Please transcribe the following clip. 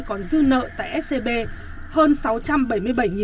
còn dư nợ tại scb hơn sáu trăm bảy mươi bảy tỷ đồng